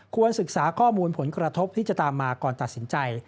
ศึกษาข้อมูลผลกระทบที่จะตามมาก่อนตัดสินใจ